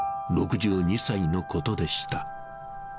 ６２歳のことでした。